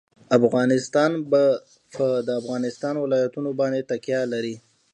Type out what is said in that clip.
افغانستان په د افغانستان ولايتونه باندې تکیه لري.